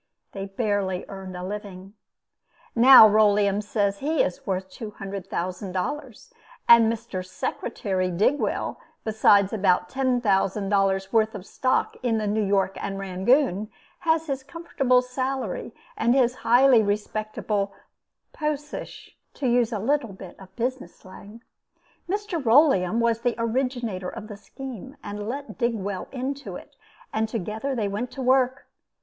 They barely earned a living. Now, Rolleum says he is worth $200,000; and Mr. Secretary Digwell, besides about $10,000 worth of stock in the New York and Rangoon, has his comfortable salary and his highly respectable "posish" to use a little bit of business slang. Mr. Rolleum was the originator of the scheme, and let Digwell into it; and together they went to work.